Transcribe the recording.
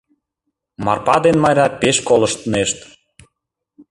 Марпа ден Майра пеш колыштнешт.